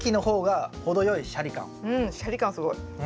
シャリ感すごい。